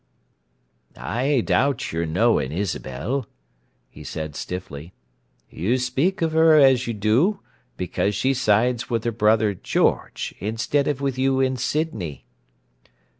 "I doubt your knowing Isabel," he said stiffly. "You speak of her as you do because she sides with her brother George, instead of with you and Sydney."